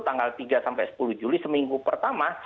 tanggal tiga sampai sepuluh juli seminggu pertama